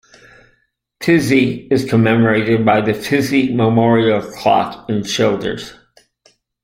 Pizzey is commemorated by the Pizzey Memorial Clock in Childers.